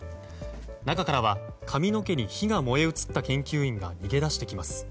中からは髪の毛に火が燃え移った研究員が逃げ出してきます。